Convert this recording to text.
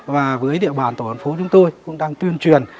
và với địa bàn tổ dân phố chúng tôi cũng đang tuyên truyền